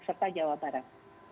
serta jawa barat